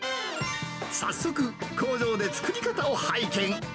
早速、工場で作り方を拝見。